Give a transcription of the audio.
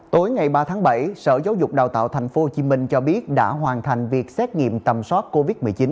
tối ngày ba tháng bảy sở giáo dục đào tạo tp hcm cho biết đã hoàn thành việc xét nghiệm tầm soát covid một mươi chín